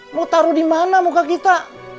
mau taruh di mana muka kita